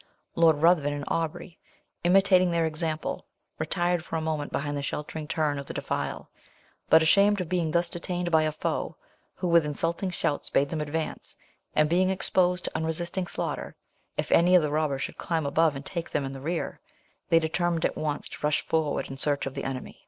Lord Ruthven and Aubrey, imitating their example, retired for a moment behind the sheltering turn of the defile: but ashamed of being thus detained by a foe, who with insulting shouts bade them advance, and being exposed to unresisting slaughter, if any of the robbers should climb above and take them in the rear, they determined at once to rush forward in search of the enemy.